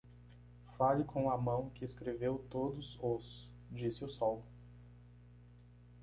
"Fale com a mão que escreveu todos os?" disse o sol.